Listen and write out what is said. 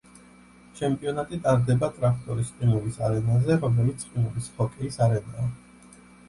ჩემპიონატი ტარდება ტრაქტორის ყინულის არენაზე, რომელიც ყინულის ჰოკეის არენაა.